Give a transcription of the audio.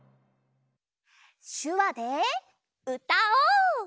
しゅわでうたおう！